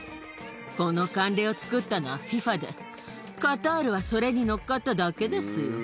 この慣例を作ったのはＦＩＦＡで、カタールはそれに乗っかっただけですよ。